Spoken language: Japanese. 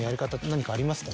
何かありますかね？